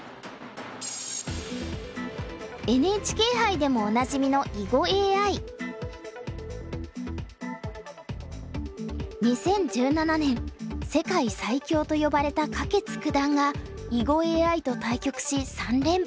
ＮＨＫ杯でもおなじみの２０１７年世界最強と呼ばれた柯潔九段が囲碁ＡＩと対局し３連敗。